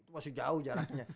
masih jauh jaraknya